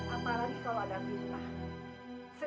apalagi kalau ada pinter